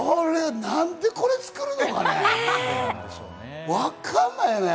なんでこれ作るのかね？